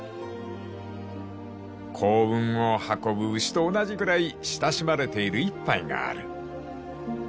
［幸運を運ぶ牛と同じくらい親しまれている一杯がある］